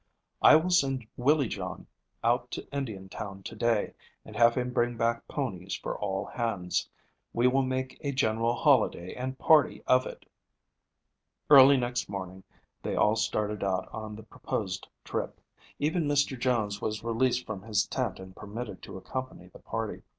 "I will send Willie John out to Indiantown to day, and have him bring back ponies for all hands. We will make a general holiday and party of it." Early next morning they all started out on the proposed trip. Even Mr. Jones was released from his tent and permitted to accompany the party.